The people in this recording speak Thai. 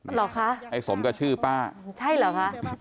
เหรอคะไอ้สมกับชื่อป้าใช่เหรอคะ